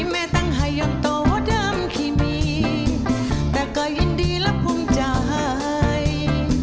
กิแม่ตั้งไหยย่อต่อว่าเดิมขี่หมีแต่ก็ยินดีและภูมิใจ